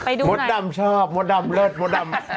ไปดูหน่อยมดดำชอบมดดำเล็ดมดดำหว้า